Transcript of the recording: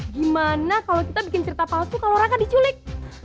gimana kalau kita bikin cerita palsu kalau orang diculik